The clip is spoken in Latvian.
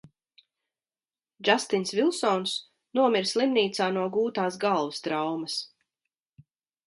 Džastins Vilsons nomira slimnīcā no gūtās galvas traumas.